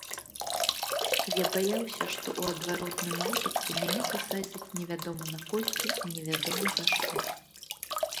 Я баяўся, што ў адваротным выпадку мяне пасадзяць невядома на колькі невядома за што.